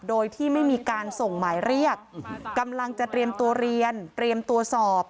โดยที่ไม่มีการส่งหมายเรียกกำลังจะเตรียมตัวเรียนเตรียมตัวสอบ